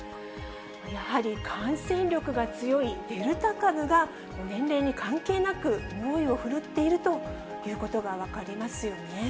やはり感染力が強いデルタ株が、年齢に関係なく猛威を振るっているということが分かりますよね。